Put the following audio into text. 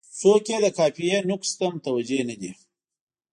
څوک یې د قافیې نقص ته متوجه نه دي.